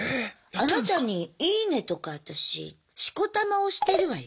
あなたに「いいね」とか私しこたま押してるわよ。